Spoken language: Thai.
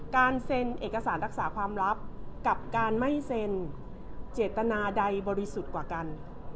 การเซ็นเอกสารรักษาความลับกับการไม่เซ็นเจตนาใดบริสุทธิ์กว่ากัน